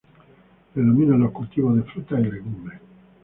Predominan los cultivos de frutas y legumbres.